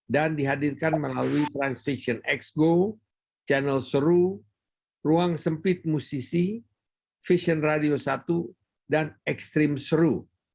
dan dihadirkan melalui transvision xgo channel seru ruang sempit musisi vision radio satu dan extreme seru